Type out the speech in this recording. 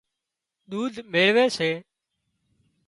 ۮُوڌ ميۯوي سي